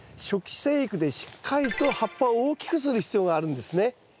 初期生育でしっかりと葉っぱを大きくする必要があるんですね。